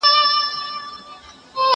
زه هره ورځ سبزیجات جمع کوم؟